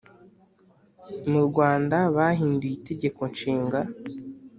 Murwanda bahinduye itegeko nshinga